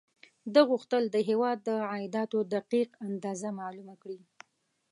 ده غوښتل د هېواد د عایداتو دقیق اندازه معلومه کړي.